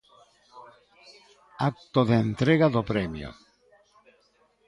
Acto de entrega do premio.